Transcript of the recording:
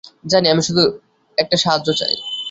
জানি, আমি শুধু একটা সাহায্য চাই।